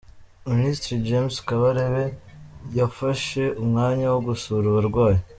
Minisitiri James Kabarebe yafashe umwanya wo gusura abarwayi.